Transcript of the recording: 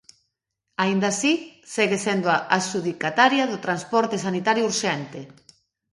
Aínda así, segue sendo adxudicataria do transporte sanitario urxente.